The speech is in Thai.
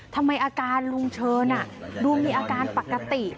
ทำไมอาการลุงเชิญดูมีอาการปกติ